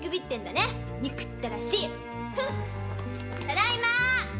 ただいま。